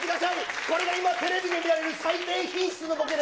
これが今、テレビで見られる最低品質のボケです。